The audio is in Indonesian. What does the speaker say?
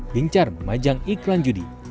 bincar memajang iklan judi